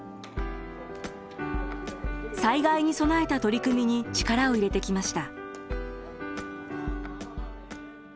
災害に備えた取り組みに力を入れてきました。